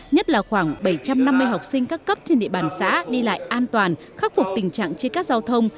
nhất là khoảng bảy trăm năm mươi học sinh các cấp trên địa bàn xã đi lại an toàn khắc phục tình trạng trên các giao thông